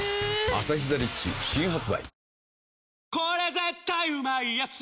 「アサヒザ・リッチ」新発売